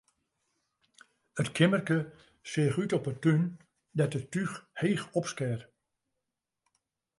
It keammerke seach op 'e tún út, dêr't it túch heech opskeat.